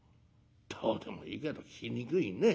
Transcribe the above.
「どうでもいいけど聞きにくいね。